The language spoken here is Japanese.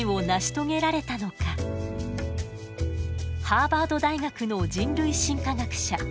ハーバード大学の人類進化学者